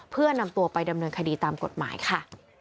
เพื่อนำตัวไปดำเนินคดีตามกฎหมายค่ะ